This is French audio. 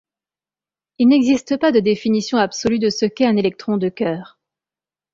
Il n'existe pas de définition absolue de ce qu'est un électron de cœur.